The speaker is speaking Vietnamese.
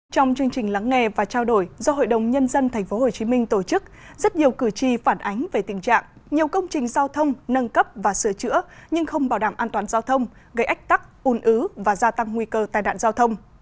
trong chương trình lắng nghe và trao đổi do hội đồng nhân dân tp hcm tổ chức rất nhiều cử tri phản ánh về tình trạng nhiều công trình giao thông nâng cấp và sửa chữa nhưng không bảo đảm an toàn giao thông gây ách tắc un ứ và gia tăng nguy cơ tai nạn giao thông